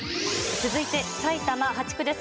続いて埼玉８区です。